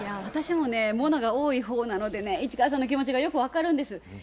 私もねものが多い方なのでね市川さんの気持ちがよく分かるんです。